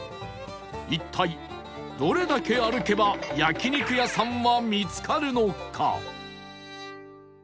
一体どれだけ歩けば焼肉屋さんは見つかるのか？